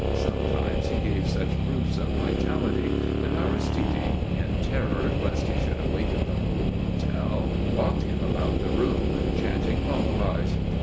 Sometimes he gave such proofs of vitality that Aristide, in terror lest he should awaken the whole hotel, walked him about the room chanting lullabies.